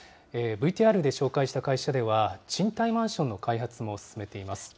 ＶＴＲで紹介した会社では、賃貸マンションの開発も進めています。